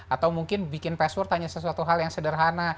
atau mungkin bikin password hanya sesuatu hal yang sederhana